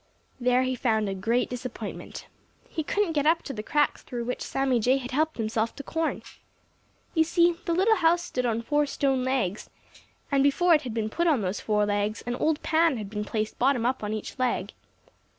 There he found a great disappointment. He couldn't get up to the cracks through which Sammy Jay had helped himself to corn. You see, the little house stood on four stone legs, and before it had been put on those four legs, an old pan had been placed bottom up on each leg.